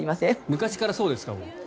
昔からそうですか？